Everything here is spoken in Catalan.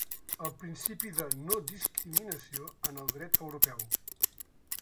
El principi de no-discriminació en el Dret europeu.